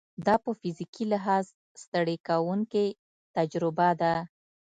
دا په فزیکي لحاظ ستړې کوونکې تجربه ده.